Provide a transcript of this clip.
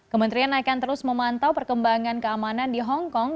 kementerian akan terus memantau perkembangan keamanan di hongkong